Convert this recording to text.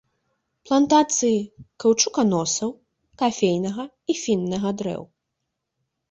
Плантацыі каўчуканосаў, кафейнага і хіннага дрэў.